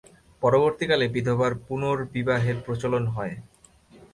পরবর্তী কালে বিধবার পুনর্বিবাহের প্রচলন হয়।